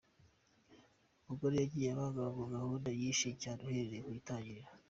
Umugore yagiye abangama muri gahunda nyinshi cyane uhereye mu Itangiriro.